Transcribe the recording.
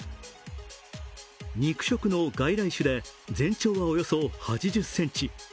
肉食の外来種で、全長はおよそ８０ｃｍ。